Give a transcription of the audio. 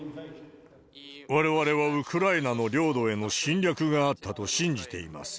われわれはウクライナの領土への侵略があったと信じています。